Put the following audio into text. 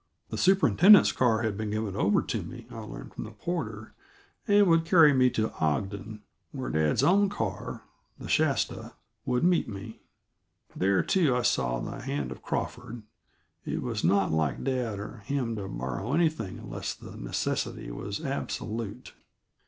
The superintendent's car had been given over to me, I learned from the porter, and would carry me to Ogden, where dad's own car, the Shasta, would meet me. There, too, I saw the hand of Crawford; it was not like dad or him to borrow anything unless the necessity was absolute.